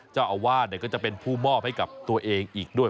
เจ้าอาวาสก็จะเป็นผู้มอบให้กับตัวเองอีกด้วย